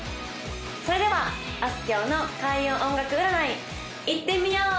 それではあすきょうの開運音楽占いいってみよう！